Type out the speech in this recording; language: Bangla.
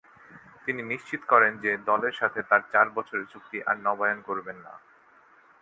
তিনি নিশ্চিত করেন যে দলের সাথে তার চার বছরের চুক্তি আর নবায়ন করবেন না।